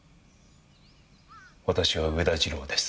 私は上田次郎です。